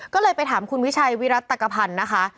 ก็เลยไปถามคุณวิชัยวิรัตกภัณฑ์นะคะ